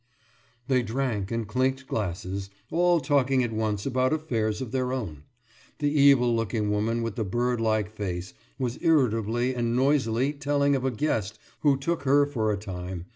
« They drank and clinked glasses, all talking at once about affairs of their own. The evil looking woman with the bird like face was irritably and noisily telling of a guest who took her for a time